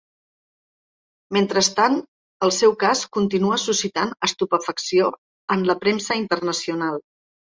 Mentrestant, el seu cas continua suscitant estupefacció en la premsa internacional.